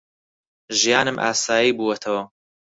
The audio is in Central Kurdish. ژیانم ئاسایی بووەتەوە.